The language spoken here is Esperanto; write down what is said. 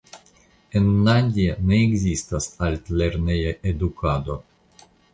En Nandjaj ne ekzistas altlerneja edukado.